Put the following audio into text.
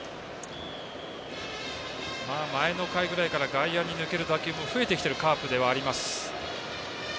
前の回ぐらいから外野に抜ける打球も増えてきているカープではあります。